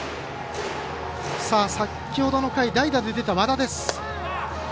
先ほどの回代打で出た、和田です。